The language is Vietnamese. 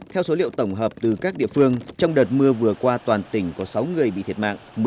theo số liệu tổng hợp từ các địa phương trong đợt mưa vừa qua toàn tỉnh có sáu người bị thiệt mạng